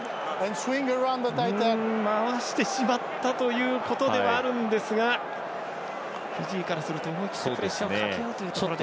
回してしまったということではあるんですがフィジーからすると思いっきりプレッシャーをかけようというところでした。